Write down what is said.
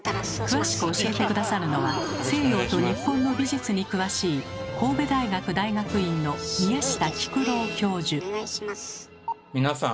詳しく教えて下さるのは西洋と日本の美術に詳しい皆さん